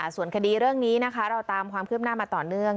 ส่วนคดีเรื่องนี้นะคะเราตามความคืบหน้ามาต่อเนื่อง